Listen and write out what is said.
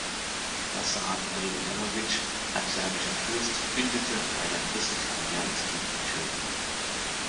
Lazar Hrebeljanović, ein serbischer Fürst, bildete eine christliche Allianz gegen die Türken.